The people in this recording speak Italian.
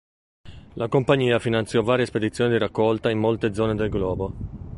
La compagnia finanziò varie spedizioni di raccolta in molte zone del globo.